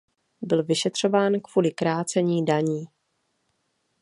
Byl vyšetřován kvůli krácení daní.